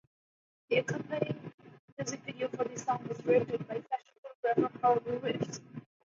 The accompanying music video for the song was directed by fashion photographer Herb Ritts.